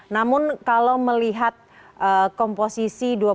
namun kalau melihat komposisi